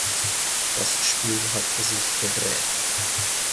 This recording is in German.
Das Spiel hatte sich gedreht.